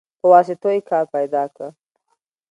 په واسطو يې کار پيدا که.